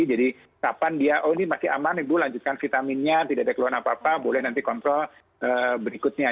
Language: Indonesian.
jadi kapan dia oh ini masih aman ibu lanjutkan vitaminnya tidak ada keluhan apa apa boleh nanti kontrol berikutnya